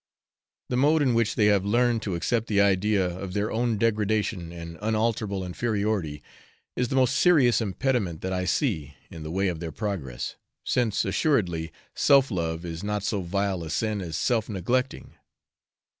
The mode in which they have learned to accept the idea of their own degradation and unalterable inferiority, is the most serious impediment that I see in the way of their progress, since assuredly, 'self love is not so vile a sin as self neglecting.'